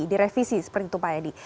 direvisi seperti itu pak edi